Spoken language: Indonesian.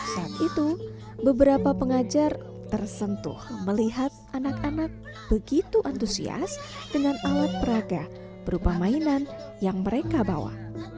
saat itu beberapa pengajar tersentuh melihat anak anak begitu antusias dengan alat peraga berupa mainan yang mereka bawa